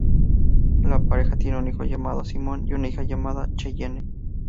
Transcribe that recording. La pareja tiene un hijo llamado Simon y una hija llamada Cheyenne.